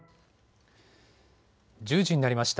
１０時になりました。